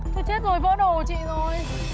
thôi chết rồi vỡ đồ của chị rồi